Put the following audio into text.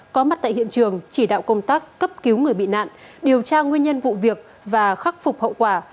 có mặt tại hiện trường chỉ đạo công tác cấp cứu người bị nạn điều tra nguyên nhân vụ việc và khắc phục hậu quả